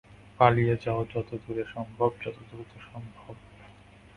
পালিয়ে যাও, যত দূরে সম্ভব, যত দ্রুত সম্ভব!